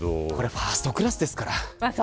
ファーストクラスですから。